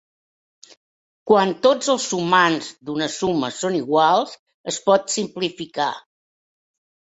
Quan tots els sumands d'una suma són iguals, es pot simplificar.